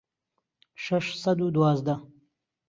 شەش سەد و دوازدە